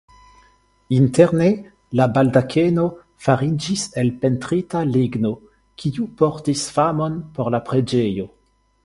Interne la baldakeno fariĝis el pentrita ligno, kiu portis famon por la preĝejo.